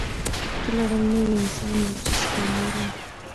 ته لړم نه یی انسان یی او زه ستا مور یم.